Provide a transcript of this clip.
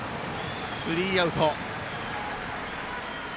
スリーアウト。